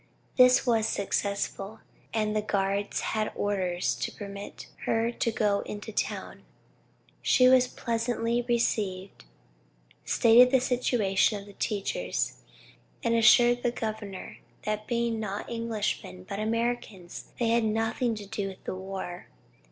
This was successful, and the guards had orders to permit her to go into town. She was pleasantly received, stated the situation of the teachers, and assured the governor that being not Englishmen but Americans, they had nothing to do with the war.